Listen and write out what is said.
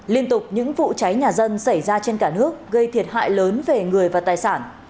liên tục những vụ cháy nhà dân xảy ra trên cả nước gây thiệt hại lớn về người và tài sản